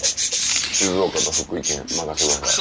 静岡と福井県任してください。